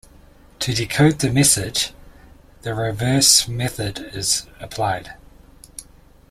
To decode the message, the reverse method is applied.